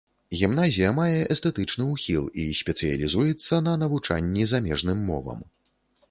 Гімназія мае эстэтычны ўхіл і спецыялізуецца на навучанні замежным мовам.